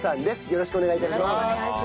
よろしくお願いします。